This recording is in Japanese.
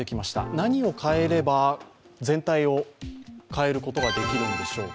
何を変えれば全体を変えることができるんでしょうか。